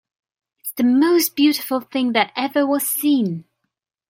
It's the most beautiful thing that ever was seen!